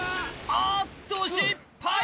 あっと失敗！